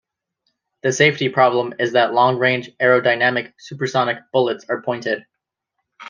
The safety problem is that long-range aerodynamic supersonic bullets are pointed.